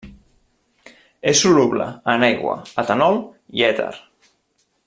És soluble en aigua, etanol, i èter.